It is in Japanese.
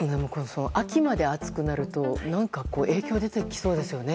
秋まで暑くなると何か影響が出てきそうですよね